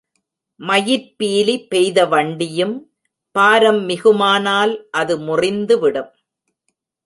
மயிற்பீலி பெய்த வண்டியும் பாரம் மிகுமானால் அது முறிந்துவிடும்.